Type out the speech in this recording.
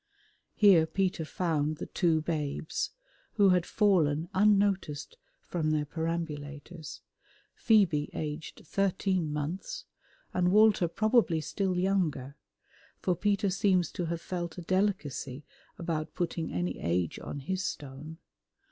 Here Peter found the two babes, who had fallen unnoticed from their perambulators, Phoebe aged thirteen months and Walter probably still younger, for Peter seems to have felt a delicacy about putting any age on his stone.